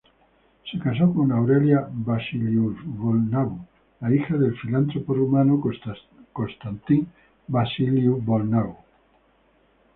Se casó con Aurelia Vasiliu-Bolnavu, la hija del filántropo rumano Constantin Vasiliu-Bolnavu.